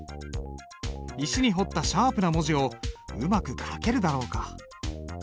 石に彫ったシャープな文字をうまく書けるだろうか。